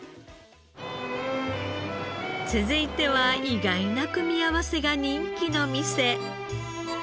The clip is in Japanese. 続いては意外な組み合わせが人気の店。